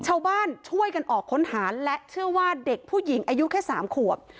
ชาวบ้านช่วยกันออกค้นหาและเชื่อว่าเด็กผู้หญิงอายุแค่๓ขวบ